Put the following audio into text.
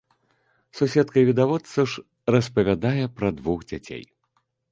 Суседка і відавочца ж распавядае пра двух дзяцей.